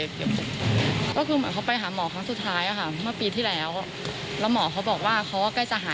ก็คือเหมือนเขาไปหาหมอครั้งสุดท้ายอะค่ะ